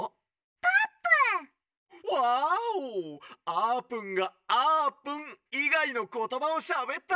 あーぷんが『あーぷん』いがいのことばをしゃべった！